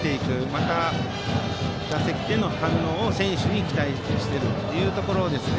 また、打席での反応を選手に期待しているところですね